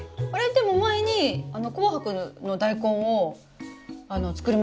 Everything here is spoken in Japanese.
でも前に紅白のダイコンを作りましたよね？